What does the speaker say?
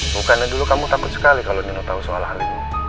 bukannya dulu kamu takut sekali kalau nino tahu soal hal ini